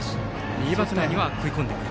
右バッターには食い込んでくる。